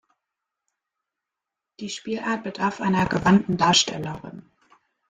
Die Spielart bedarf einer gewandten Darstellerin.